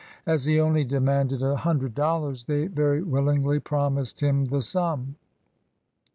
As he only demanded a hundred dollars, they very willingly promised him the sum.